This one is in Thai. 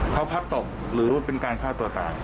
เขาพัดตกหรือว่าเป็นการฆ่าตัวตาย